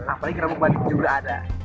apalagi kerambuk batik juga ada